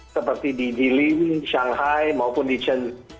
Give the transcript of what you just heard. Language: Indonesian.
seperti di jilin shanghai maupun di chen